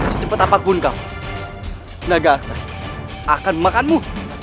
secepat apapun kau naga aksa akan memakanmu